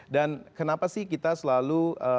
dan kenapa sih kita selalu